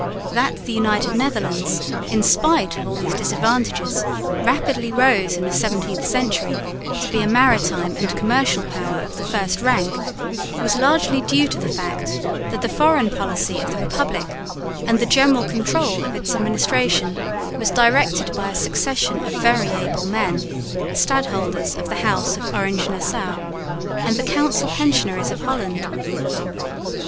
That the United Netherlands, in spite of all these disadvantages, rapidly rose in the 17th century to be a maritime and commercial power of the first rank was largely due to the fact that the foreign policy of the republic and the general control of its administration was directed by a succession of very able men, the stadholders of the house of Orange Nassau and the council pensionaries of Holland.